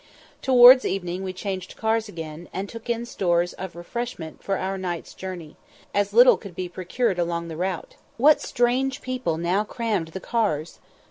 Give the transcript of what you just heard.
Towards evening we changed cars again, and took in stores of refreshment for our night's journey, as little could be procured along the route. What strange people now crammed the cars!